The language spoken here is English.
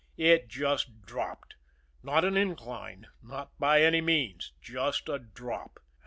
It just dropped not an incline, not by any means just a drop.